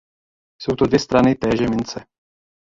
Jsou to dvě strany téže mince.